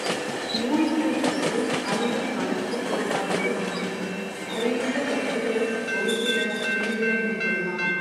நூல்களைக் கற்று அறிவை வளர்த்துக்கொள்ளாத ஒருவன், அறிவுள்ள கருத்துகள் ஒருசில வெளியிட முற்படலாம்.